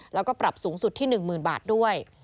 แล้วก็ปรับสูงสุดที่๑๐๐๐บาทด้วย